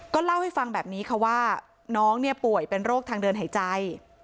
เล่าให้ฟังแบบนี้ค่ะว่าน้องเนี่ยป่วยเป็นโรคทางเดินหายใจ